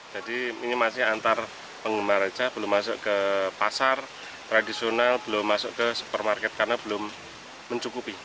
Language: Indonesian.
jadi ini masih antar penggemar aja belum masuk ke pasar tradisional belum masuk ke supermarket karena belum mencukupi